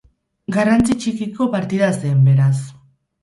Garrantzi txikiko partida zen, beraz.